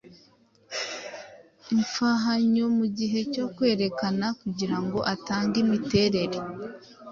imfahanyo mugihe cyo kwerekana kugirango atange imiterere